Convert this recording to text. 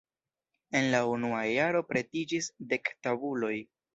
En la unua jaro pretiĝis dek tabuloj.